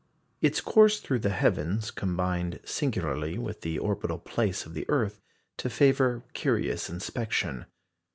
Its course through the heavens combined singularly with the orbital place of the earth to favour curious inspection.